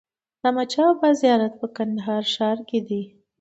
د احمدشاه بابا زيارت په کندهار ښار کي دئ.